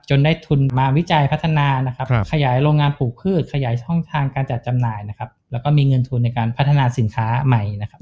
ได้ทุนมาวิจัยพัฒนานะครับขยายโรงงานปลูกพืชขยายช่องทางการจัดจำหน่ายนะครับแล้วก็มีเงินทุนในการพัฒนาสินค้าใหม่นะครับ